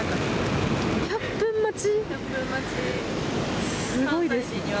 １００分待ち。